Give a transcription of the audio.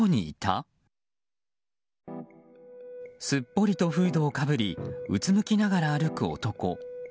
すっぽりとフードをかぶりうつむきながら歩く男。